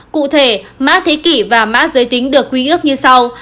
cụ thể mã thế kỷ và mã giới tính được quý ước như sau